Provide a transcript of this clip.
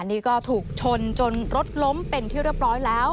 นี่ก็ถูกชนจนรถล้มเป็นที่เรียบร้อยแล้ว